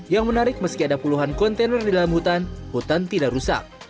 yang menarik meski ada puluhan kontainer di dalam hutan hutan tidak rusak